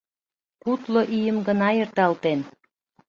Кудло ийым гына эрталтен...